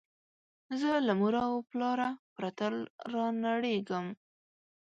زه له موره او پلاره پرته رانړېږم